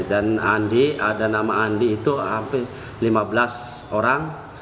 dan andi ada nama andi itu hampir lima belas orang